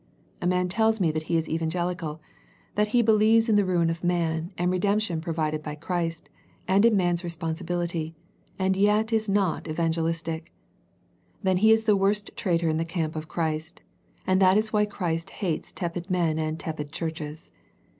A man tells me that he is evan gelical, that he believes in the ruin of man, and redemption provided by Christ, and in man's responsibility, and yet is not evangelistic! Then he is the worst traitor in the camp of Christ, and that is why Christ hates tepid men and tepid churches.